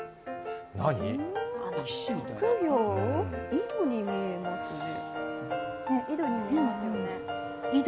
井戸に見えますね。